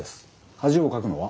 恥をかくのは？